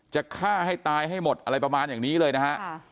จะฆ่าให้ตายให้หมดอะไรประมาณอย่างนี้เลยนะฮะ